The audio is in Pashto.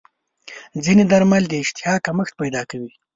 ځینې درمل د اشتها کمښت پیدا کوي.